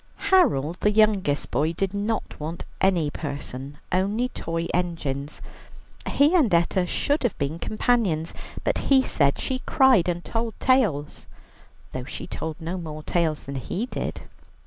Harold, the youngest boy, did not want any person only toy engines. He and Etta should have been companions, but he said she cried and told tales, though she told no more tales than he did.